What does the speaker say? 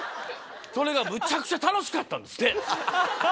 それがむちゃくちゃ楽しかったんですって。